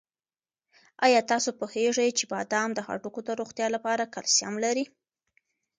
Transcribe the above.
آیا تاسو پوهېږئ چې بادام د هډوکو د روغتیا لپاره کلسیم لري؟